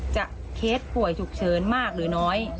เคสป่วยฉุกเฉินมากหรือน้อย